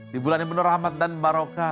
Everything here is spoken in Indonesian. di bulan yang penuh rahmat dan barokah